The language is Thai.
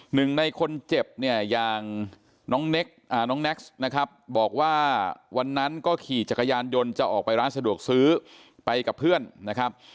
หนึ่งในคนเจ็บเนี่ยอย่างน้องแน็กซ์นะครับบอกว่าวันนั้นก็ขี่จักรยานยนต์จะออกไปร้านสะดวกซื้อไปกับเพื่อนนะครับ